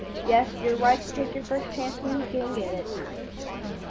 "Yes, you're right to take your first chance when you can get it."